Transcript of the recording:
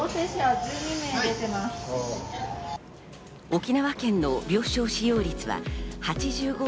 沖縄県の病床使用率は８５．４％。